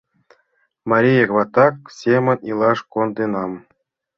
Марияк-ватак семын илаш конденам...